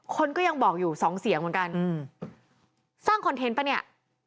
คนก็ยังบอกอยู่สองเสียงเหมือนกันอืมสร้างคอนเทนต์ป่ะเนี่ย